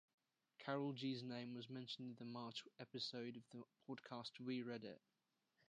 Carolgees' name was mentioned in the March episode of the podcast WeReddit.